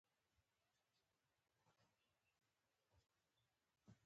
یو سړي یو بت درلود.